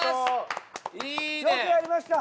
よくやりました！